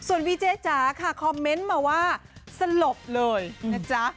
ส่วนวีเจจ๋าค่ะคอมเมนต์มาว่าสลบเลยนะจ๊ะ